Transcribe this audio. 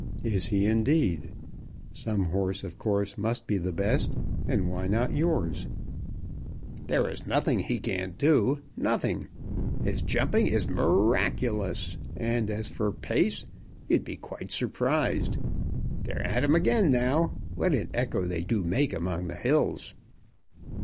"Is he, indeed? Some horse of course must be the best, and why not yours?" "There's nothing he can't do; nothing. His jumping is mi raculous, and as for pace, you'd be quite surprised. They're at him again now. What an echo they do make among the hills!"